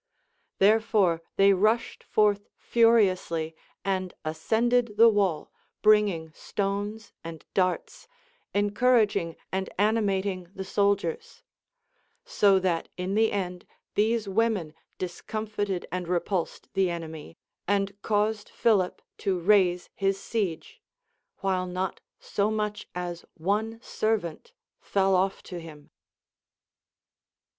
Therefore they rushed forth furiously and ascended the wall, bringing stones and darts, encourag ing and animating the soldiers ; so that in the end these women discomfited and repulsed the enemy, and caused Philip to raise his siege, while not so much as one servant fell off to him.